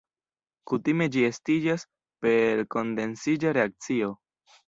Kutime ĝi estiĝas per kondensiĝa reakcio.